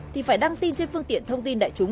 thì phải đăng tin trên phương tiện thông tin đại chúng